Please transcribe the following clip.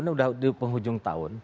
ini sudah di penghujung tahun